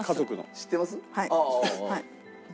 知ってます。